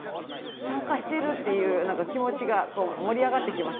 参加してるっていうなんか気持ちが盛り上がってきますね。